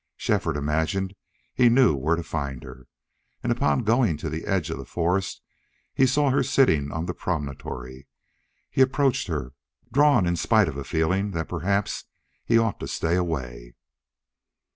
Shefford imagined he knew where to find her, and upon going to the edge of the forest he saw her sitting on the promontory. He approached her, drawn in spite of a feeling that perhaps he ought to stay away.